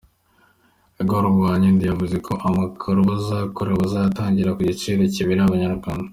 Igr Rwinkindi yavuze ko amakaro bazakora bazayatangira ku giciro kibereye Abanyarwanda.